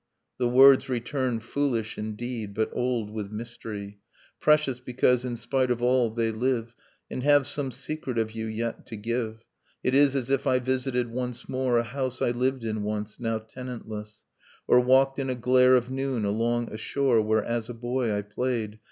— the words return Foolish, indeed, but old with mystery, Precious, because, in spite of all, they live And have some secret of you yet to give. .. It is as if I visited once more A house I lived in once, now tenantless; Or walked in a glare of noon along a shore Where as a boy I played.